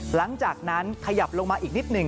หลังจากนั้นขยับลงมาอีกนิดหนึ่ง